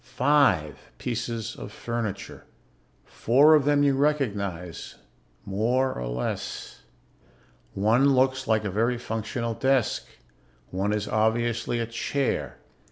Five pieces of furniture. Four of them you recognize more or less. One looks like a very functional desk. One is obviously a chair ...